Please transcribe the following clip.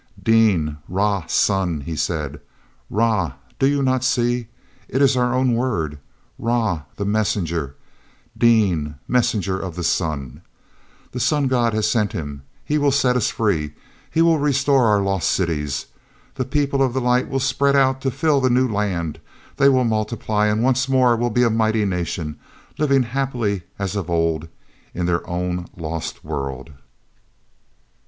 ean—Rah—Sun!" he said. "'Rah'—do you not see? It is our own word, Rah—the Messenger! Dean—Messenger of the Sun! The sun god has sent him—he will set us free. He will restore our lost cities. The People of the Light will spread out to fill the new land; they will multiply, and once more will be a mighty nation, living happily as of old in their own lost world.